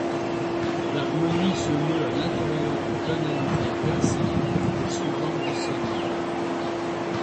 L'harmonie se meut à l'intérieur d'une tonalité perçante et souvent dissonante.